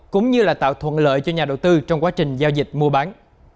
cũng như là tạo thuận lợi cho nhà đầu tư trong quá trình giao dịch mua bán